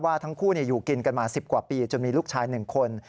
ทั้งคู่อยู่กินกันมา๑๐กว่าปีจนมีลูกชาย๑คน